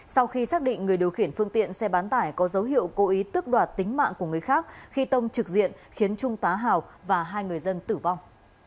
sau khi xác định người điều khiển phương tiện xe bán tải có dấu hiệu cố ý tước đoạt tính mạng của người khác khi tông trực diện khiến trung tá hào và hai người dân tử vong